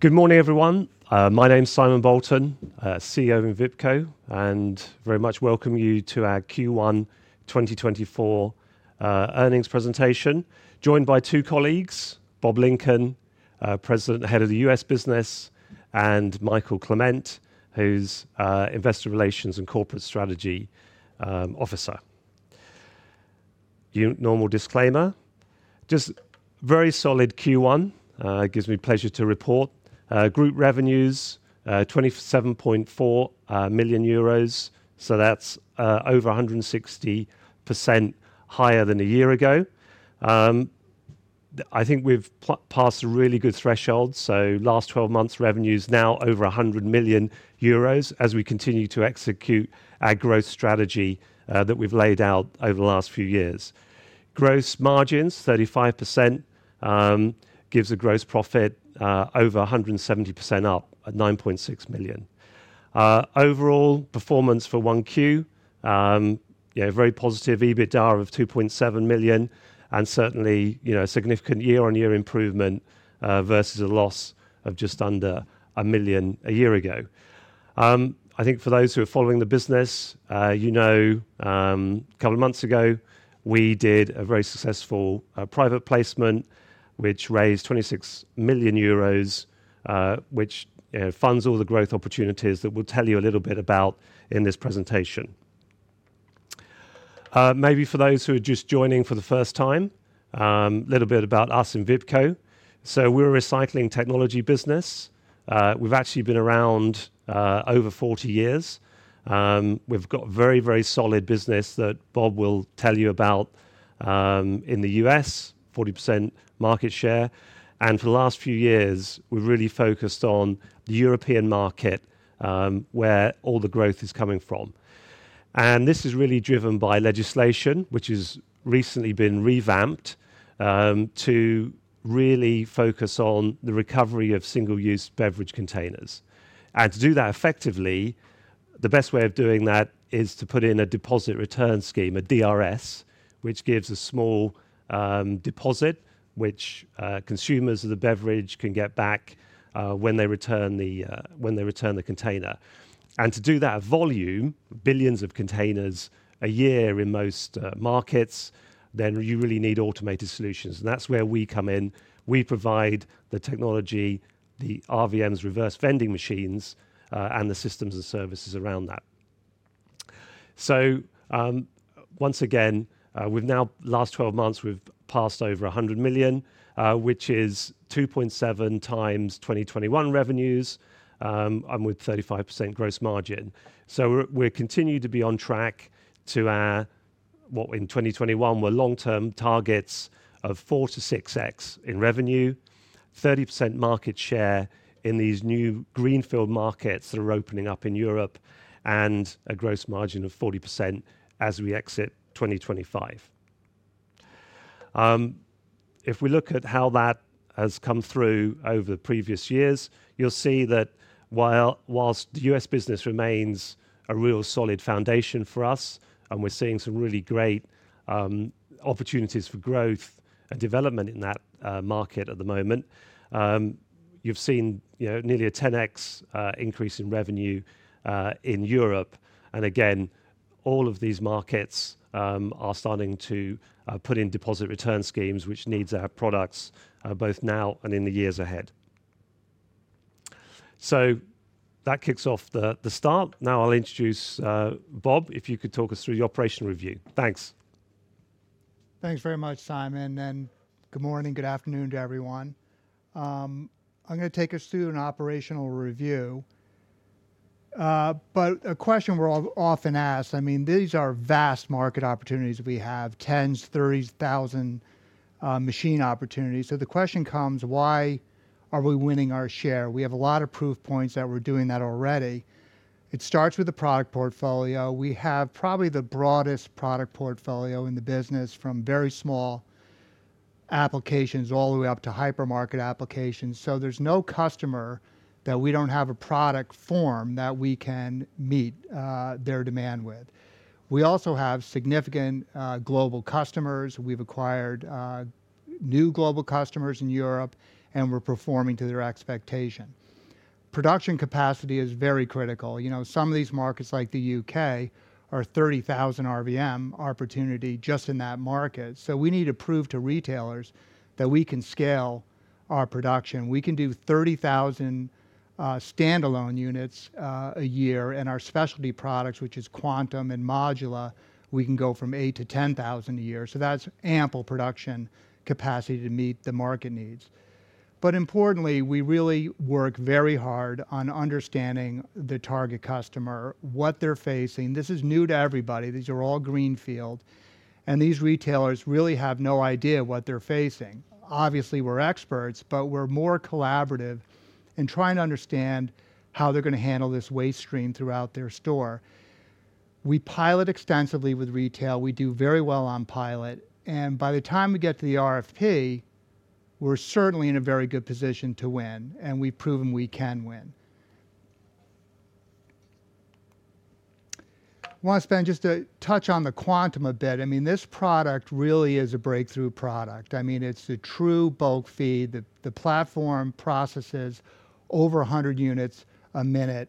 Good morning, everyone. My name is Simon Bolton, CEO of Envipco, and very much welcome you to our Q1 2024 earnings presentation. Joined by two colleagues, Bob Lincoln, President, Head of the U.S. Business, and Mikael Clement, who's Investor Relations and Corporate Strategy Officer. Normal disclaimer, just very solid Q1, it gives me pleasure to report. Group revenues 27.4 million euros, so that's over 160% higher than a year ago. I think we've passed a really good threshold, so last twelve months' revenue is now over 100 million euros as we continue to execute our growth strategy that we've laid out over the last few years. Gross margins 35% gives a gross profit over 170% up at 9.6 million. Overall, performance for 1Q, very positive EBITDA of 2.7 million, and certainly, you know, a significant year-on-year improvement, versus a loss of just under 1 million a year ago. I think for those who are following the business, you know, a couple of months ago, we did a very successful private placement, which raised 26 million euros, which funds all the growth opportunities that we'll tell you a little bit about in this presentation. Maybe for those who are just joining for the first time, a little bit about us in Envipco. So we're a recycling technology business. We've actually been around over 40 years. We've got a very, very solid business that Bob will tell you about, in the U.S., 40% market share. For the last few years, we've really focused on the European market, where all the growth is coming from. This is really driven by legislation, which has recently been revamped, to really focus on the recovery of single-use beverage containers. To do that effectively, the best way of doing that is to put in a deposit return scheme, a DRS, which gives a small deposit, which consumers of the beverage can get back, when they return the container. To do that at volume, billions of containers a year in most markets, then you really need automated solutions, and that's where we come in. We provide the technology, the RVMs, reverse vending machines, and the systems and services around that. Once again, we've now, last 12 months, we've passed over 100 million, which is 2.7x 2021 revenues, and with 35% gross margin. We're continuing to be on track to our, what in 2021, were long-term targets of 4x-6x in revenue, 30% market share in these new greenfield markets that are opening up in Europe, and a gross margin of 40% as we exit 2025. If we look at how that has come through over the previous years, you'll see that while the U.S. business remains a real solid foundation for us, and we're seeing some really great opportunities for growth and development in that market at the moment, you've seen, you know, nearly a 10x increase in revenue in Europe. And again, all of these markets are starting to put in deposit return schemes, which needs our products both now and in the years ahead. So that kicks off the start. Now I'll introduce Bob, if you could talk us through the operation review. Thanks. Thanks very much, Simon, and good morning, good afternoon to everyone. I'm gonna take us through an operational review, but a question we're often asked, I mean, these are vast market opportunities we have, tens, thirties, thousands of machine opportunities. So the question comes: Why are we winning our share? We have a lot of proof points that we're doing that already. It starts with the product portfolio. We have probably the broadest product portfolio in the business, from very small applications all the way up to hypermarket applications. So there's no customer that we don't have a product form that we can meet their demand with. We also have significant global customers. We've acquired new global customers in Europe, and we're performing to their expectation. Production capacity is very critical. You know, some of these markets, like the U.K., are 30,000 RVM opportunity just in that market. So we need to prove to retailers that we can scale our production. We can do 30,000 standalone units a year, and our specialty products, which is Quantum and Modula, we can go from 8,000-10,000 a year. So that's ample production capacity to meet the market needs. But importantly, we really work very hard on understanding the target customer, what they're facing. This is new to everybody. These are all greenfield, and these retailers really have no idea what they're facing. Obviously, we're experts, but we're more collaborative in trying to understand how they're gonna handle this waste stream throughout their store. We pilot extensively with retail. We do very well on pilot, and by the time we get to the RFP, we're certainly in a very good position to win, and we've proven we can win. I want to spend just to touch on the Quantum a bit. I mean, this product really is a breakthrough product. I mean, it's a true bulk feed. The platform processes over 100 units a minute,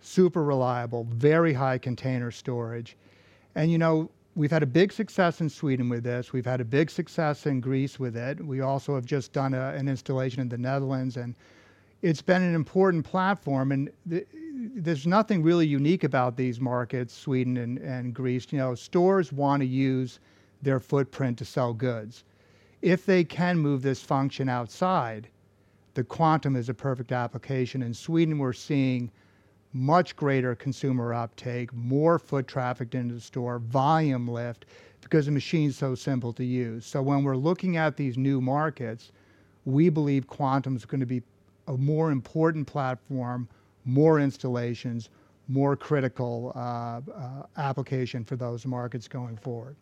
super reliable, very high container storage. And you know, we've had a big success in Sweden with this. We've had a big success in Greece with it. We also have just done an installation in the Netherlands, and it's been an important platform. And there's nothing really unique about these markets, Sweden and Greece. You know, stores want to use their footprint to sell goods. If they can move this function outside, the Quantum is a perfect application. In Sweden, we're seeing much greater consumer uptake, more foot traffic into the store, volume lift, because the machine's so simple to use. So when we're looking at these new markets, we believe Quantum's gonna be a more important platform, more installations, more critical application for those markets going forward.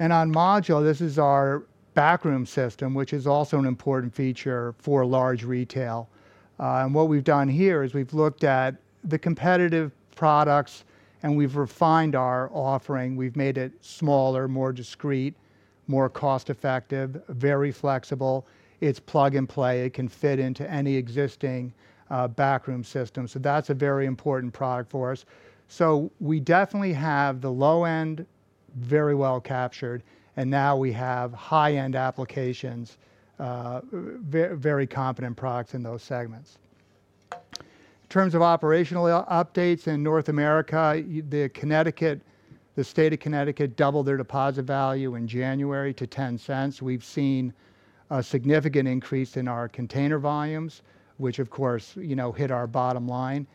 And on Modula, this is our backroom system, which is also an important feature for large retail. And what we've done here is we've looked at the competitive products, and we've refined our offering. We've made it smaller, more discreet, more cost-effective, very flexible. It's plug-and-play. It can fit into any existing backroom system, so that's a very important product for us. So we definitely have the low end very well captured, and now we have high-end applications, very competent products in those segments. In terms of operational updates in North America, the Connecticut, the state of Connecticut doubled their deposit value in January to $0.10. We've seen a significant increase in our container volumes, which of course, you know, hit our bottom line.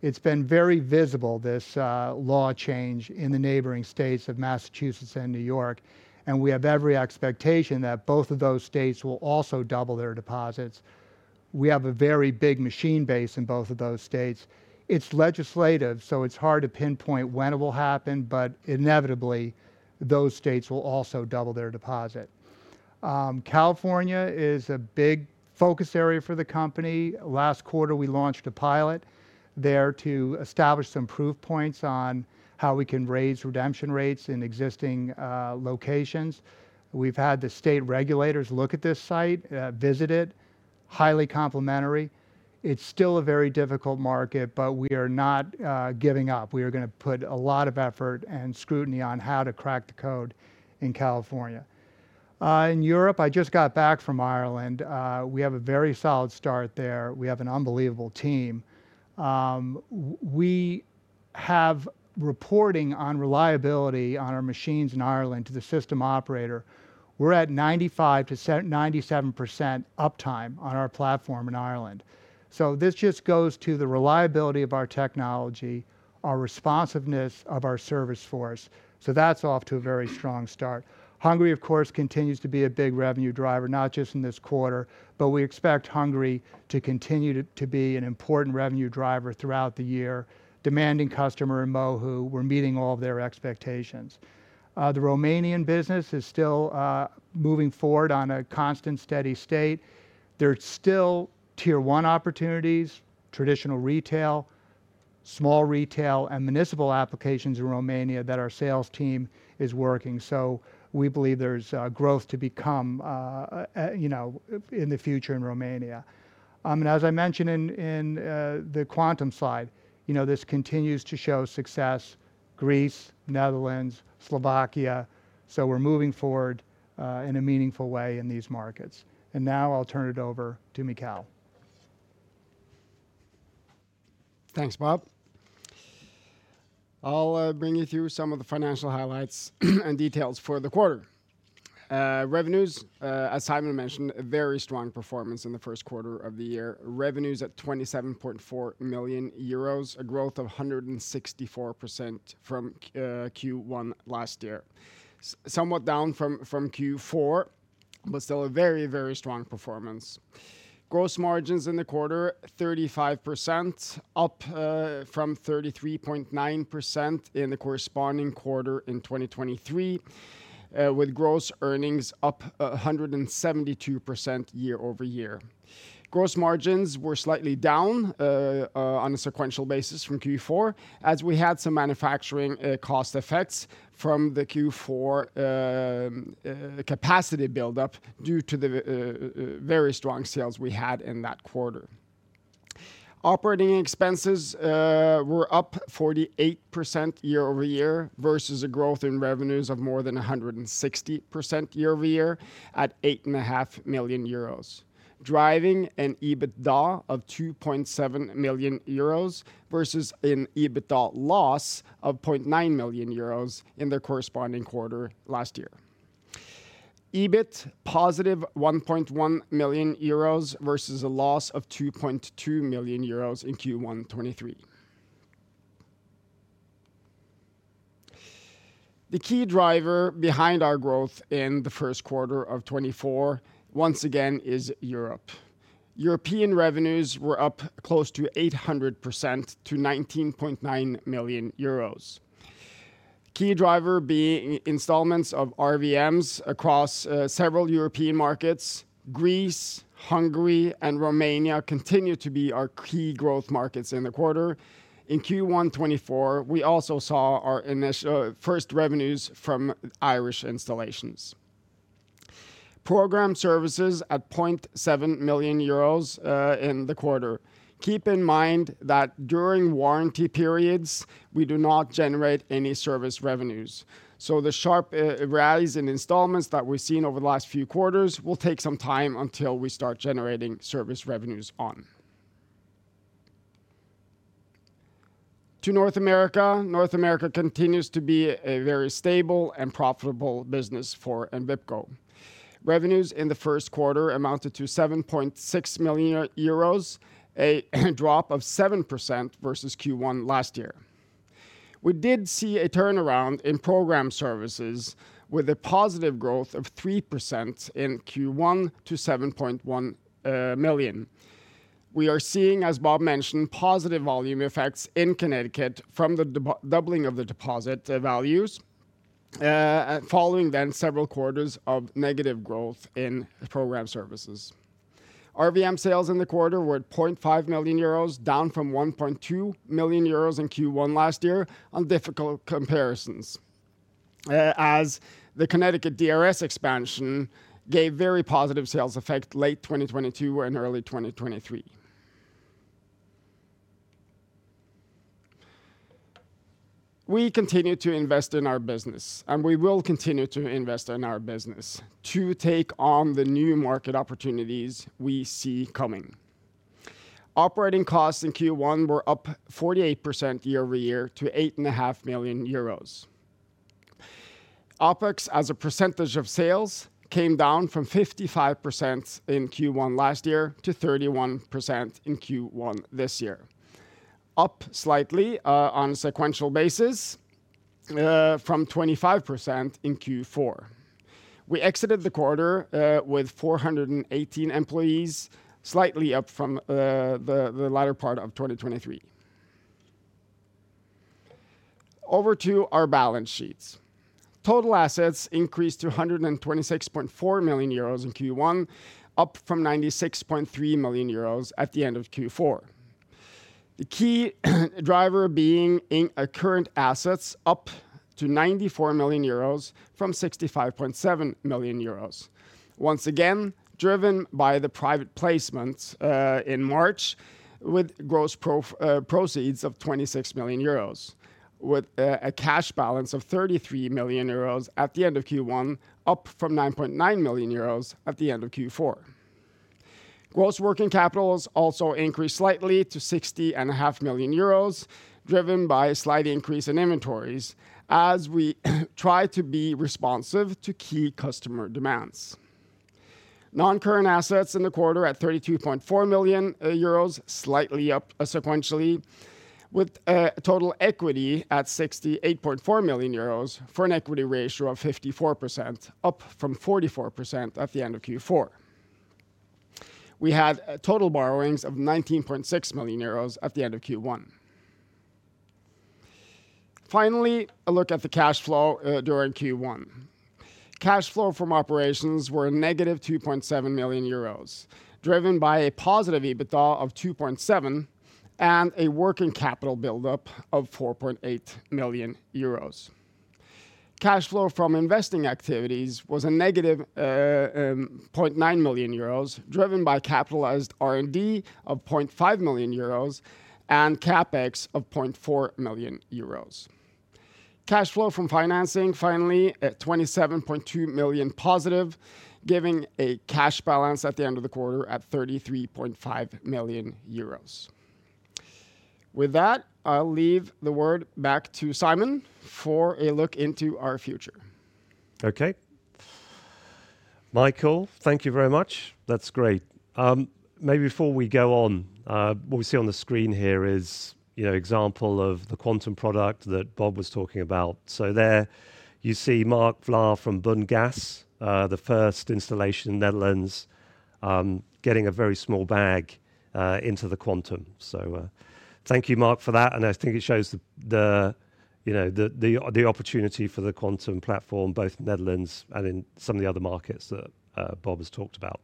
It's been very visible, this law change in the neighboring states of Massachusetts and New York, and we have every expectation that both of those states will also double their deposits. We have a very big machine base in both of those states. It's legislative, so it's hard to pinpoint when it will happen, but inevitably, those states will also double their deposit. California is a big focus area for the company. Last quarter, we launched a pilot there to establish some proof points on how we can raise redemption rates in existing locations. We've had the state regulators look at this site, visit it. Highly complimentary. It's still a very difficult market, but we are not giving up. We are gonna put a lot of effort and scrutiny on how to crack the code in California. In Europe, I just got back from Ireland. We have a very solid start there. We have an unbelievable team. We have reporting on reliability on our machines in Ireland to the system operator. We're at 95%-97% uptime on our platform in Ireland. So this just goes to the reliability of our technology, our responsiveness of our service force, so that's off to a very strong start. Hungary, of course, continues to be a big revenue driver, not just in this quarter, but we expect Hungary to continue to be an important revenue driver throughout the year. Demanding customer in MOHU, we're meeting all of their expectations. The Romanian business is still moving forward on a constant, steady state. There are still tier one opportunities, traditional retail, small retail, and municipal applications in Romania that our sales team is working, so we believe there's growth to become, you know, in the future in Romania. And as I mentioned in the Quantum slide, you know, this continues to show success: Greece, Netherlands, Slovakia. So we're moving forward in a meaningful way in these markets. And now I'll turn it over to Mikael. Thanks, Bob. I'll bring you through some of the financial highlights and details for the quarter. Revenues, as Simon mentioned, a very strong performance in the first quarter of the year. Revenues at 27.4 million euros, a growth of 164% from Q1 last year. Somewhat down from Q4, but still a very, very strong performance. Gross margins in the quarter, 35%, up from 33.9% in the corresponding quarter in 2023, with gross earnings up 172% year-over-year. Gross margins were slightly down on a sequential basis from Q4, as we had some manufacturing cost effects from the Q4 capacity build-up due to the very strong sales we had in that quarter. Operating expenses were up 48% year-over-year versus a growth in revenues of more than 160% year-over-year at 8.5 million euros, driving an EBITDA of 2.7 million euros versus an EBITDA loss of 0.9 million euros in the corresponding quarter last year. EBIT, positive 1.1 million euros versus a loss of 2.2 million euros in Q1 2023. The key driver behind our growth in the first quarter of 2024, once again, is Europe. European revenues were up close to 800% to 19.9 million euros. Key driver being installments of RVMs across several European markets. Greece, Hungary, and Romania continue to be our key growth markets in the quarter. In Q1 2024, we also saw our first revenues from Irish installations. Program services at 0.7 million euros in the quarter. Keep in mind that during warranty periods, we do not generate any service revenues, so the sharp rise in installments that we've seen over the last few quarters will take some time until we start generating service revenues on. To North America. North America continues to be a very stable and profitable business for Envipco. Revenues in the first quarter amounted to 7.6 million euros, a drop of 7% versus Q1 last year. We did see a turnaround in program services, with a positive growth of 3% in Q1 to 7.1 million. We are seeing, as Bob mentioned, positive volume effects in Connecticut from the doubling of the deposit values following then several quarters of negative growth in program services. RVM sales in the quarter were at 0.5 million euros, down from 1.2 million euros in Q1 last year on difficult comparisons, as the Connecticut DRS expansion gave very positive sales effect late 2022 and early 2023. We continue to invest in our business, and we will continue to invest in our business to take on the new market opportunities we see coming. Operating costs in Q1 were up 48% year-over-year to 8.5 million euros. OpEx, as a percentage of sales, came down from 55% in Q1 last year to 31% in Q1 this year, up slightly, on a sequential basis, from 25% in Q4. We exited the quarter, with 418 employees, slightly up from, the latter part of 2023. Over to our balance sheets. Total assets increased to 126.4 million euros in Q1, up from 96.3 million euros at the end of Q4. The key driver being in current assets, up to 94 million euros from 65.7 million euros. Once again, driven by the private placement in March, with gross proceeds of 26 million euros, with a cash balance of 33 million euros at the end of Q1, up from 9.9 million euros at the end of Q4. Gross working capital has also increased slightly to 60.5 million euros, driven by a slight increase in inventories, as we try to be responsive to key customer demands. Non-current assets in the quarter at 32.4 million euros, slightly up sequentially, with total equity at 68.4 million euros, for an equity ratio of 54%, up from 44% at the end of Q4. We had total borrowings of 19.6 million euros at the end of Q1. Finally, a look at the cash flow during Q1. Cash flow from operations were a negative 2.7 million euros, driven by a positive EBITDA of 2.7 million and a working capital buildup of 4.8 million euros. Cash flow from investing activities was a negative 0.9 million euros, driven by capitalized R&D of 0.5 million euros and CapEx of 0.4 million euros. Cash flow from financing, finally, at 27.2 million positive, giving a cash balance at the end of the quarter at 33.5 million euros. With that, I'll leave the word back to Simon for a look into our future. Okay. Mikael, thank you very much. That's great. Maybe before we go on, what we see on the screen here is, you know, example of the Quantum product that Bob was talking about. So there you see Marc Vlaar from Bun, the first installation in the Netherlands, getting a very small bag into the Quantum. So, thank you, Marc, for that, and I think it shows the, you know, the opportunity for the Quantum platform, both in the Netherlands and in some of the other markets that Bob has talked about.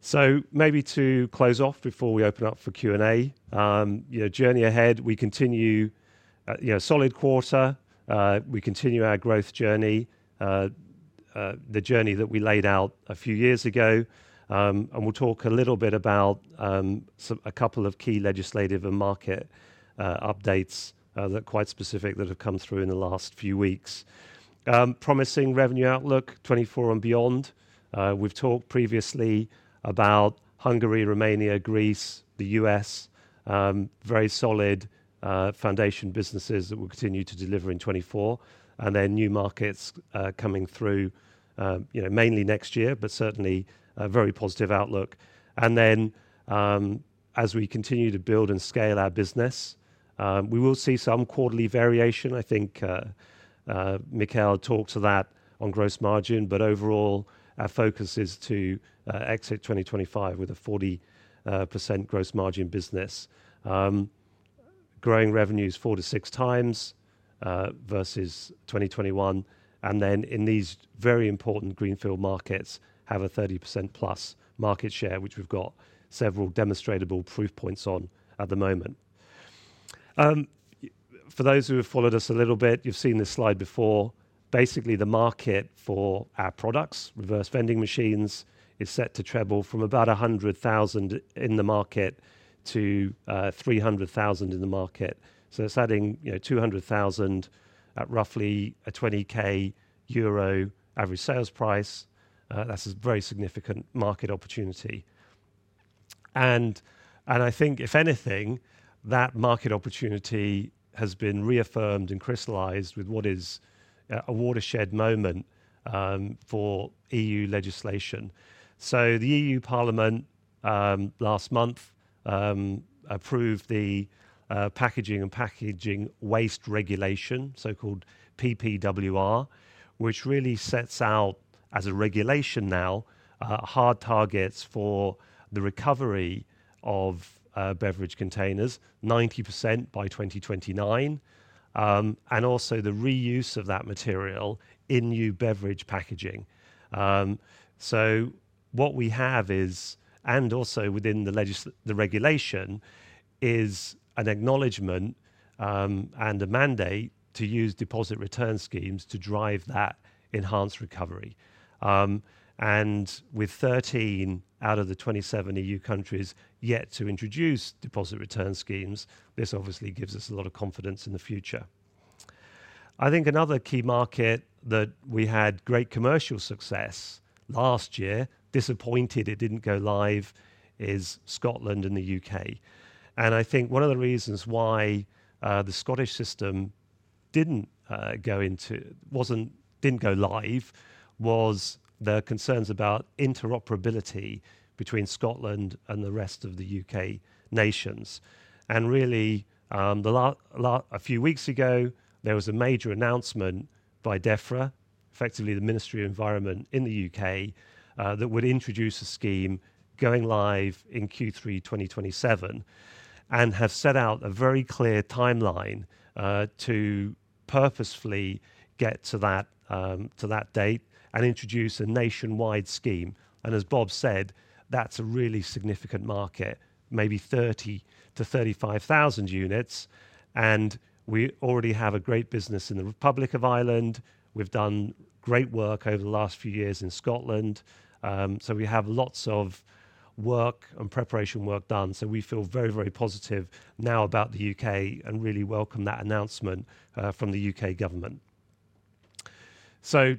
So maybe to close off before we open up for Q&A, you know, journey ahead, we continue, you know, solid quarter. We continue our growth journey, the journey that we laid out a few years ago. And we'll talk a little bit about a couple of key legislative and market updates that are quite specific, that have come through in the last few weeks. Promising revenue outlook, 2024 and beyond. We've talked previously about Hungary, Romania, Greece, the U.S.. Very solid foundation businesses that will continue to deliver in 2024, and then new markets coming through, you know, mainly next year, but certainly a very positive outlook. And then, as we continue to build and scale our business, we will see some quarterly variation, I think, Mikael talked to that on gross margin, but overall, our focus is to exit 2025 with a 40% gross margin business. Growing revenues 4x-6x versus 2021, and then in these very important greenfield markets, have a 30%+ market share, which we've got several demonstrable proof points on at the moment. For those who have followed us a little bit, you've seen this slide before. Basically, the market for our products, reverse vending machines, is set to treble from about 100,000 in the market to 300,000 in the market. So it's adding, you know, 200,000 at roughly a 20,000 euro average sales price. That's a very significant market opportunity. And I think if anything, that market opportunity has been reaffirmed and crystallized with what is a watershed moment for EU legislation. So the EU Parliament last month approved the Packaging and Packaging Waste Regulation, so-called PPWR, which really sets out as a regulation now hard targets for the recovery of beverage containers, 90% by 2029, and also the reuse of that material in new beverage packaging. So what we have is... And also within the regulation is an acknowledgment and a mandate to use deposit return schemes to drive that enhanced recovery. And with 13 out of the 27 EU countries yet to introduce deposit return schemes, this obviously gives us a lot of confidence in the future. I think another key market that we had great commercial success last year, disappointed it didn't go live, is Scotland in the U.K.. I think one of the reasons why the Scottish system didn't go into, didn't go live, was the concerns about interoperability between Scotland and the rest of the U.K. nations. And really, a few weeks ago, there was a major announcement by DEFRA, effectively the Ministry of Environment in the U.K., that would introduce a scheme going live in Q3 2027, and have set out a very clear timeline to purposefully get to that, to that date and introduce a nationwide scheme. And as Bob said, that's a really significant market, maybe 30-35,000 units, and we already have a great business in the Republic of Ireland. We've done great work over the last few years in Scotland. So we have lots of work and preparation work done. So we feel very, very positive now about the U.K. and really welcome that announcement from the U.K. government.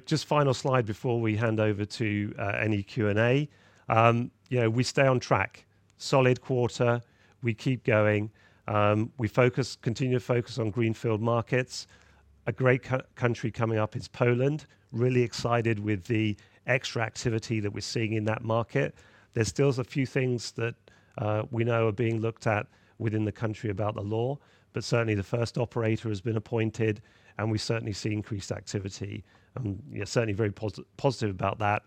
Just final slide before we hand over to any Q&A. You know, we stay on track. Solid quarter, we keep going. We focus, continue to focus on greenfield markets. A great country coming up is Poland. Really excited with the extra activity that we're seeing in that market. There's still a few things that we know are being looked at within the country about the law, but certainly the first operator has been appointed, and we certainly see increased activity. Yeah, certainly very positive about that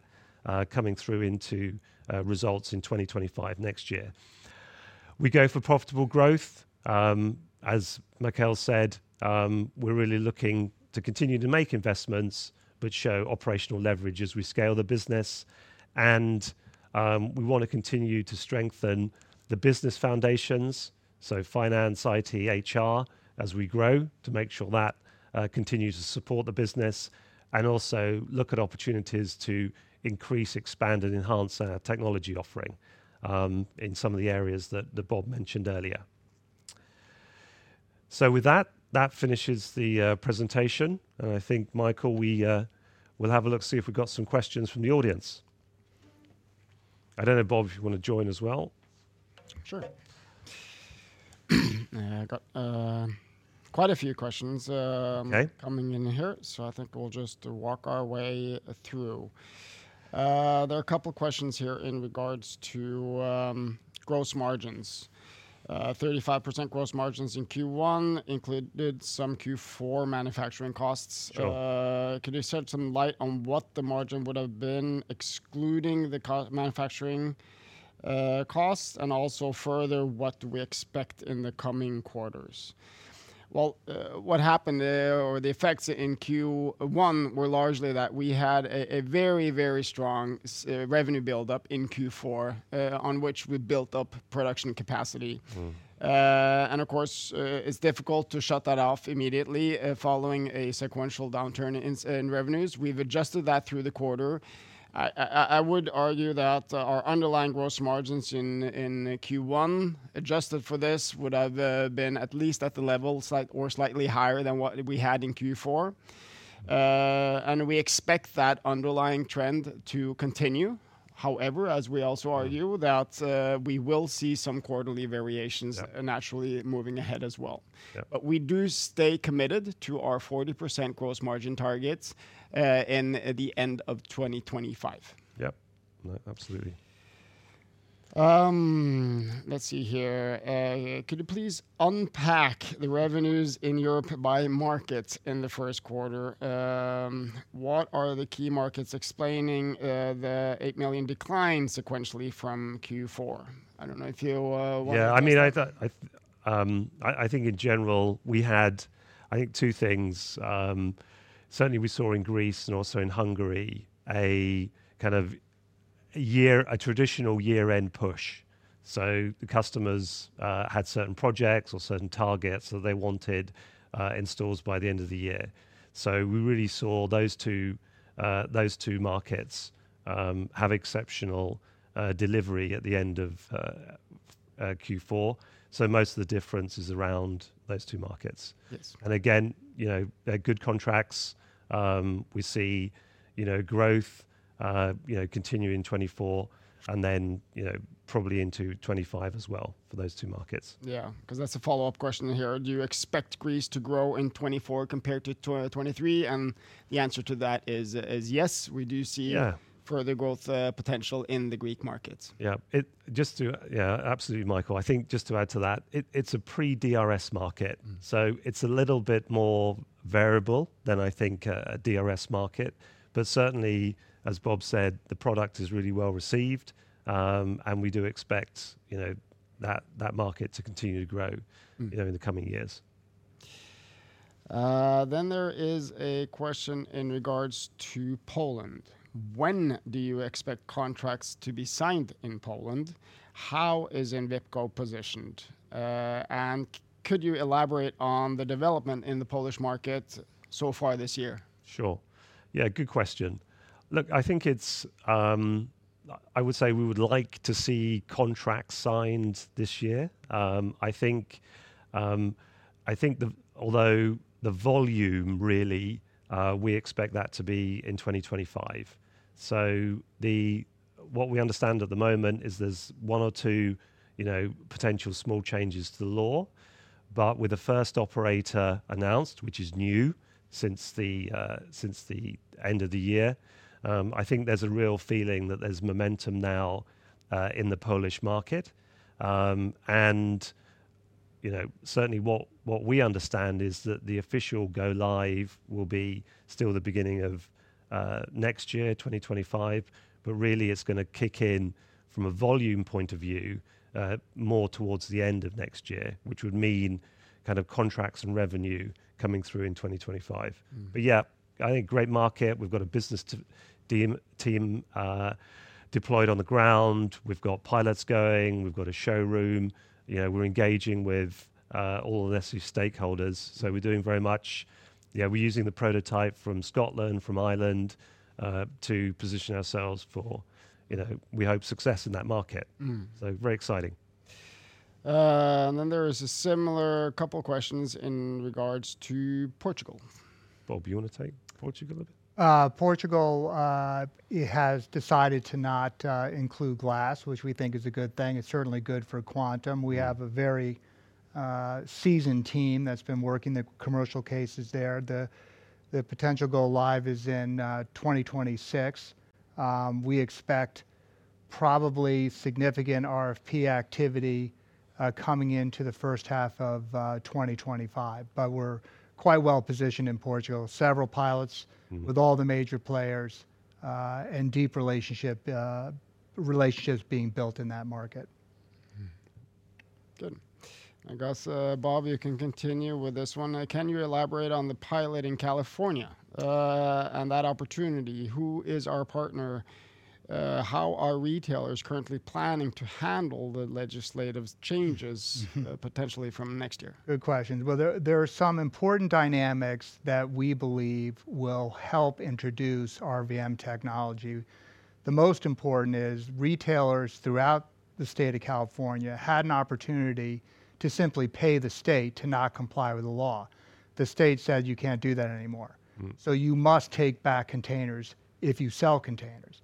coming through into results in 2025 next year. We go for profitable growth. As Mikael said, we're really looking to continue to make investments, but show operational leverage as we scale the business and we wanna continue to strengthen the business foundations, so finance, IT, HR, as we grow, to make sure that continues to support the business, and also look at opportunities to increase, expand, and enhance our technology offering in some of the areas that Bob mentioned earlier. So with that, that finishes the presentation, and I think, Mikael, we'll have a look to see if we've got some questions from the audience. I don't know, Bob, if you wanna join as well. Sure. I got quite a few questions. Okay... Coming in here, so I think we'll just walk our way through. There are a couple of questions here in regards to gross margins. 35% gross margins in Q1 included some Q4 manufacturing costs. Sure. Could you shed some light on what the margin would have been, excluding the co-manufacturing costs, and also further, what do we expect in the coming quarters? Well, what happened, or the effects in Q1 were largely that we had a, a very, very strong, revenue build-up in Q4, on which we built up production capacity. Mm-hmm. And of course, it's difficult to shut that off immediately following a sequential downturn in revenues. We've adjusted that through the quarter. I would argue that our underlying gross margins in Q1, adjusted for this, would have been at least at the level slight or slightly higher than what we had in Q4. And we expect that underlying trend to continue. However, as we also argue- Mm... That we will see some quarterly variations- Yeah... Naturally moving ahead as well. Yeah. We do stay committed to our 40% gross margin targets in the end of 2025. Yep. Absolutely.... Let's see here. Could you please unpack the revenues in Europe by markets in the first quarter? What are the key markets explaining the 8 million decline sequentially from Q4? I don't know if you want to take that. Yeah, I mean, I think in general, we had, I think, two things. Certainly we saw in Greece and also in Hungary, a kind of a traditional year-end push. So the customers had certain projects or certain targets that they wanted in stores by the end of the year. So we really saw those two, those two markets, have exceptional delivery at the end of Q4. So most of the difference is around those two markets. Yes. And again, you know, they're good contracts. We see, you know, growth, you know, continue in 2024, and then, you know, probably into 2025 as well for those two markets. Yeah, 'cause that's a follow-up question here: Do you expect Greece to grow in 2024 compared to twen- 2023? And the answer to that is, is yes, we do see- Yeah ... Further growth, potential in the Greek markets. Yeah, absolutely, Mikael. I think just to add to that, it's a pre-DRS market. Mm. So it's a little bit more variable than, I think, a DRS market. But certainly, as Bob said, the product is really well received. And we do expect, you know, that market to continue to grow- Mm... You know, in the coming years. Then there is a question in regards to Poland. When do you expect contracts to be signed in Poland? How is Envipco positioned? And could you elaborate on the development in the Polish market so far this year? Sure. Yeah, good question. Look, I think it's, I would say we would like to see contracts signed this year. I think although the volume really, we expect that to be in 2025. So, what we understand at the moment is there's one or two, you know, potential small changes to the law, but with the first operator announced, which is new since the end of the year, I think there's a real feeling that there's momentum now in the Polish market. You know, certainly, what we understand is that the official go live will be still the beginning of next year, 2025, but really, it's gonna kick in from a volume point of view, more towards the end of next year, which would mean kind of contracts and revenue coming through in 2025. Mm. But yeah, I think great market. We've got a business to... team deployed on the ground. We've got pilots going, we've got a showroom. You know, we're engaging with all the necessary stakeholders, so we're doing very much... Yeah, we're using the prototype from Scotland, from Ireland, to position ourselves for, you know, we hope, success in that market. Mm. Very exciting. And then there is a similar couple questions in regards to Portugal. Bob, you want to take Portugal a bit? Portugal, it has decided to not include glass, which we think is a good thing. It's certainly good for Quantum. Mm. We have a very seasoned team that's been working the commercial cases there. The potential go live is in 2026. We expect probably significant RFP activity coming into the first half of 2025. But we're quite well positioned in Portugal. Several pilots- Mm... With all the major players, and deep relationships being built in that market. Good. I guess, Bob, you can continue with this one. Can you elaborate on the pilot in California, and that opportunity? Who is our partner? How are retailers currently planning to handle the legislative changes? Mm-hmm... Potentially from next year? Good question. Well, there are some important dynamics that we believe will help introduce RVM technology. The most important is retailers throughout the state of California had an opportunity to simply pay the state to not comply with the law. The state said you can't do that anymore. Mm. So you must take back containers if you sell containers.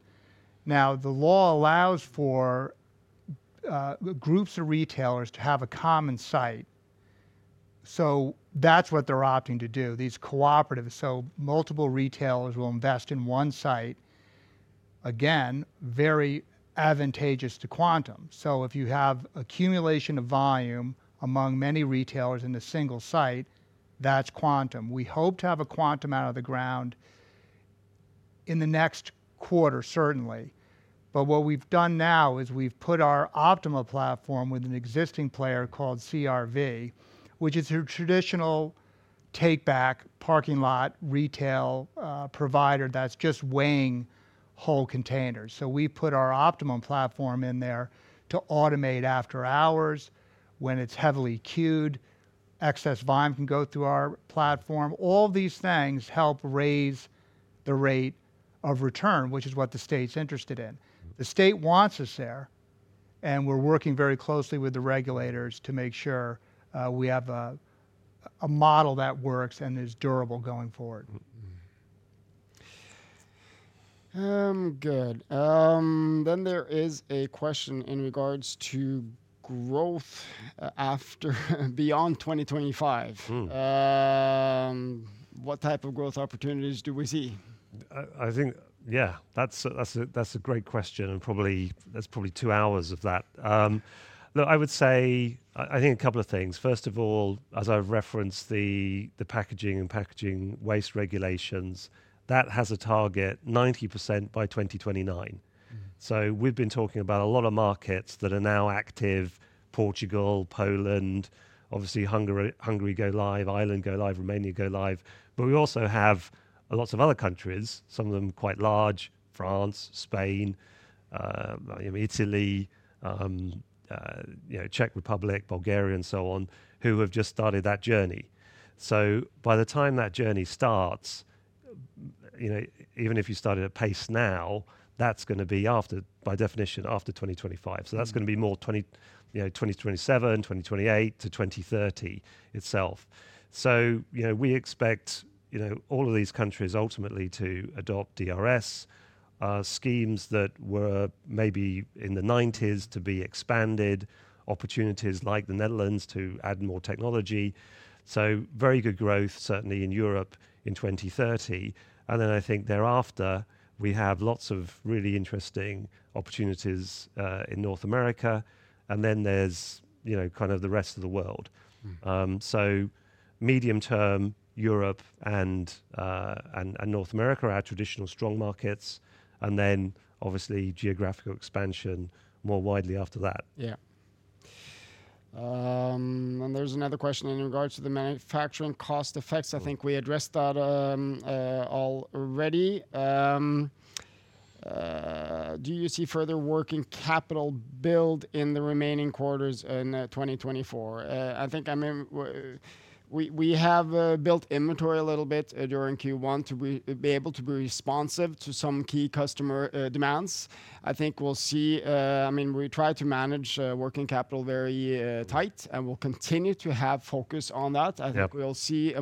Now, the law allows for groups of retailers to have a common site. So that's what they're opting to do, these cooperatives. So multiple retailers will invest in one site. Again, very advantageous to Quantum. So if you have accumulation of volume among many retailers in a single site, that's Quantum. We hope to have a Quantum out of the ground in the next quarter, certainly. But what we've done now is we've put our Optima platform with an existing player called CRV, which is a traditional take-back parking lot retail provider that's just weighing whole containers. So we put our Optima platform in there to automate after-hours. When it's heavily queued, excess volume can go through our platform. All these things help raise the rate of return, which is what the state's interested in. Mm. The state wants us there, and we're working very closely with the regulators to make sure we have a model that works and is durable going forward. Mm, mm. Good. Then there is a question in regards to growth, after, beyond 2025. Mm. What type of growth opportunities do we see?... I think, yeah, that's a great question, and probably, that's probably two hours of that. Look, I would say, I think a couple of things. First of all, as I've referenced the Packaging and Packaging Waste regulations, that has a target 90% by 2029. Mm. So we've been talking about a lot of markets that are now active: Portugal, Poland, obviously Hungary, Hungary go live, Ireland go live, Romania go live. But we also have lots of other countries, some of them quite large, France, Spain, you know, Italy, you know, Czech Republic, Bulgaria, and so on, who have just started that journey. So by the time that journey starts, you know, even if you started at pace now, that's gonna be after, by definition, after 2025. Mm. So that's gonna be more 2027, you know, 2028 to 2030 itself. So, you know, we expect, you know, all of these countries ultimately to adopt DRS schemes that were maybe in the 1990s to be expanded, opportunities like the Netherlands to add more technology. So very good growth, certainly in Europe in 2030. And then I think thereafter, we have lots of really interesting opportunities in North America, and then there's, you know, kind of the rest of the world. Mm. So medium term, Europe and North America are our traditional strong markets, and then obviously geographical expansion more widely after that. Yeah. And there's another question in regards to the manufacturing cost effects. I think we addressed that already. Do you see further working capital build in the remaining quarters in 2024? I think, I mean, we have built inventory a little bit during Q1 to be able to be responsive to some key customer demands. I think we'll see... I mean, we try to manage working capital very tight, and we'll continue to have focus on that. Yep. I think we'll see a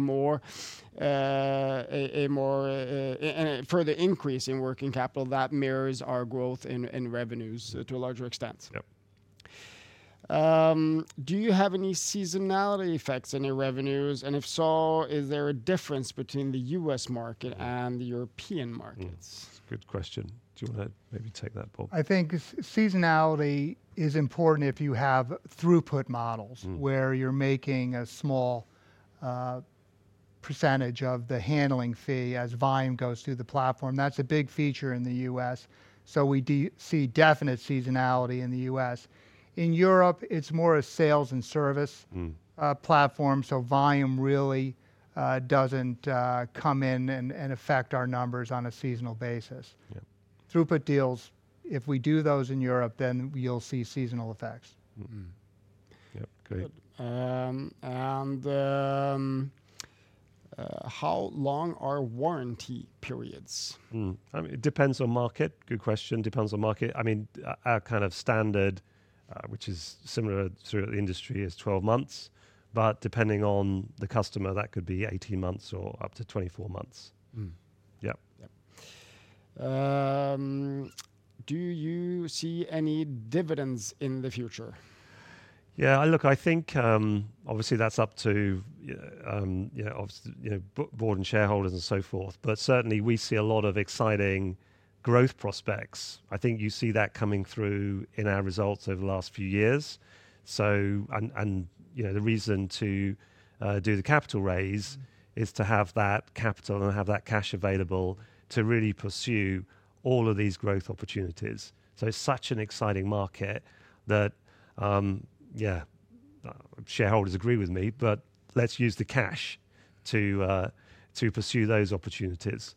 further increase in working capital that mirrors our growth in revenues to a larger extent. Yep. Do you have any seasonality effects in your revenues? And if so, is there a difference between the U.S. market- Yeah... And the European markets? Mm, it's a good question. Do you wanna maybe take that, Bob? I think seasonality is important if you have throughput models. Mm... Where you're making a small percentage of the handling fee as volume goes through the platform. That's a big feature in the U.S., so we do see definite seasonality in the U.S. In Europe, it's more a sales and service- Mm... Platform, so volume really doesn't come in and affect our numbers on a seasonal basis. Yep. Throughput deals, if we do those in Europe, then you'll see seasonal effects. Mm. Yep, great. Good. How long are warranty periods? I mean, it depends on market. Good question. Depends on market. I mean, our kind of standard, which is similar throughout the industry, is 12 months, but depending on the customer, that could be 18 months or up to 24 months. Mm. Yep. Yep. Do you see any dividends in the future? Yeah, look, I think, obviously, that's up to, you know, obviously, you know, board and shareholders and so forth, but certainly, we see a lot of exciting growth prospects. I think you see that coming through in our results over the last few years. So, you know, the reason to do the capital raise is to have that capital and have that cash available to really pursue all of these growth opportunities. So it's such an exciting market that, yeah, shareholders agree with me, but let's use the cash to pursue those opportunities.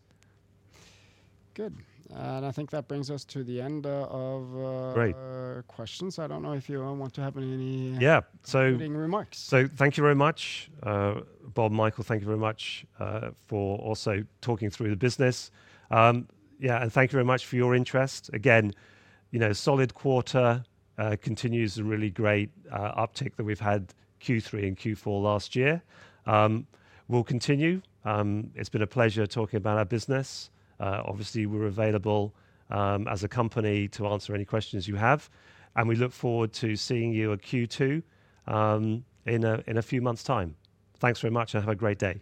Good. And I think that brings us to the end of- Great... Questions. I don't know if you want to have any- Yeah, so- Closing remarks. Thank you very much. Bob, Mikael, thank you very much for also talking through the business. Yeah, and thank you very much for your interest. Again, you know, solid quarter continues the really great uptick that we've had Q3 and Q4 last year. We'll continue. It's been a pleasure talking about our business. Obviously, we're available as a company to answer any questions you have, and we look forward to seeing you at Q2 in a few months' time. Thanks very much, and have a great day.